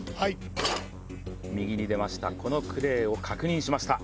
右に出ました、このクレーを確認しました。